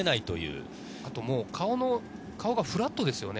顔がフラットですよね。